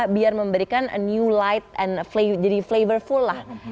karena kita mau menyediakan new light and jadi flavorful lah